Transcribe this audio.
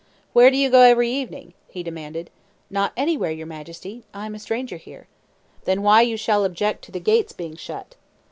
"Where do you go every evening?" he demanded. "Not anywhere, your Majesty. I am a stranger here." "Then why you shall object to the gates being shut?"